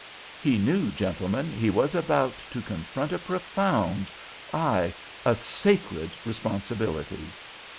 He knew, gentlemen, he was about to confront a profound—aye! a sacred responsibility!